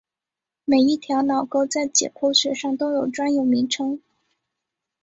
每一条脑沟在解剖学上都有专有名称。